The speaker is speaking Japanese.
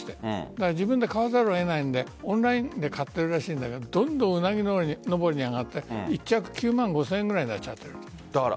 だから自分で買わざるを得ないのでオンラインで買っているらしいけどうなぎ登りに上がって１着、９万５０００円ぐらいになっている。